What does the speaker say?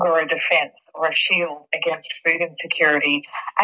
atau perlindungan terhadap keamanan dan keamanan